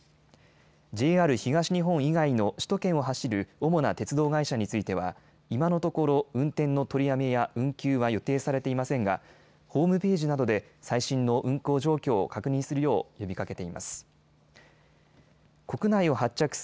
ＪＲ東日本以外の首都圏を走る主な鉄道会社については今のところ運転の取りやめや運休は予定されていませんがホームページなどで最新の運行状況を確認するよう呼びかけています。